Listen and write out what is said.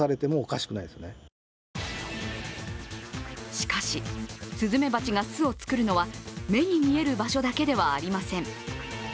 しかし、すずめばちが巣を作るのは、目に見える場所だけではありません。